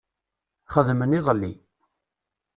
Xedmen iḍelli